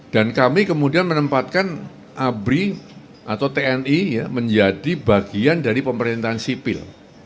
dan kami kemudian menempatkan abri atau tni menjadi bagian dari pemerintahan sipil